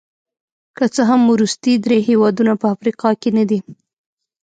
که څه هم وروستي درې هېوادونه په افریقا کې نه دي.